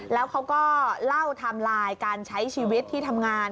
แล้วเขาก็เล่าไทม์ไลน์การใช้ชีวิตที่ทำงาน